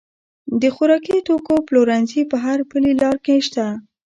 د خوراکي توکو پلورنځي په هر پلې لار کې شته.